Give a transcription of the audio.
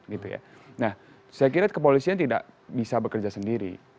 nah saya kira kepolisian tidak bisa bekerja sendiri